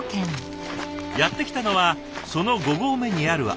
やって来たのはその５合目にある空き地。